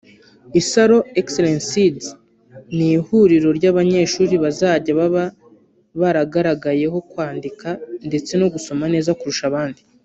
Isaro Excellent Seeds ni ihuriro ry’abanyeshuri bazajya baba baragaragayeho kwandika ndetse no gusoma neza urusha abandi